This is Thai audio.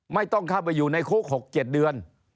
ไม่ต้องเข้าไปอยู่ในคุก๖๗เดือน